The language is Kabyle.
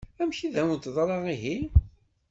Amek i d-awen-teḍṛa ihi?